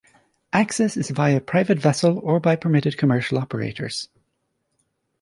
Access is via private vessel or by permitted commercial operators.